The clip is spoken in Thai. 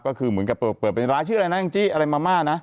ก็คือเหมือนกับเปิดเป็นร้านชื่ออะไรนะแองจี้อะไรมาม่านะ